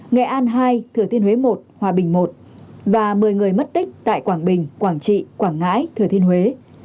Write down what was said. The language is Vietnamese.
nghệ an hai thừa thiên huế một hòa bình i và một mươi người mất tích tại quảng bình quảng trị quảng ngãi thừa thiên huế